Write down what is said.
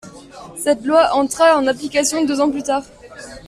Cette loi entra en application deux ans plus tard.